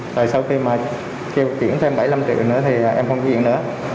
rồi sau khi mà kêu chuyển thêm bảy mươi năm triệu nữa thì em không chuyển nữa